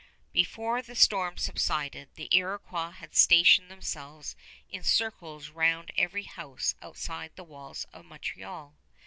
Before the storm subsided, the Iroquois had stationed themselves in circles round every house outside the walls of Montreal.